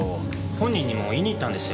本人にも言いに行ったんですよ。